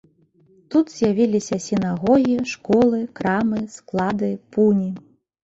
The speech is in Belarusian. Тут з'явіліся сінагогі, школы, крамы, склады, пуні.